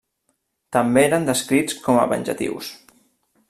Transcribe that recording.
També eren descrits com a venjatius.